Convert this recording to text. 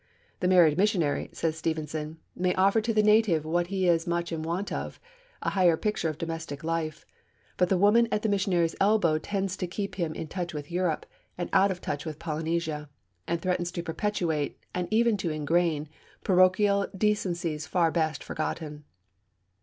'The married missionary,' says Stevenson, 'may offer to the native what he is much in want of a higher picture of domestic life; but the woman at the missionary's elbow tends to keep him in touch with Europe, and out of touch with Polynesia, and threatens to perpetuate, and even to ingrain, parochial decencies far best forgotten.